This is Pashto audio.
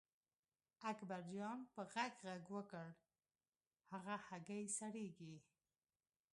اکبرجان په غږ غږ وکړ هغه هګۍ سړېږي.